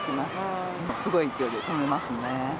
すごい勢いで止めますね。